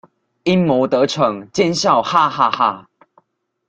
陰謀得逞，奸笑哈哈哈